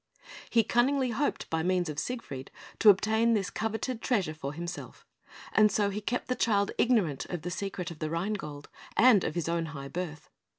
He cunningly hoped by means of Siegfried to obtain this coveted treasure for himself; and so he kept the child ignorant of the secret of the Rhinegold, and of his own high birth.